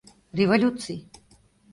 РЕВОЛЮЦИЙ